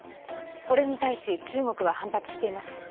これに対し中国は反発しています。